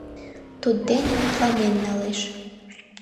Туддене мутланен налеш.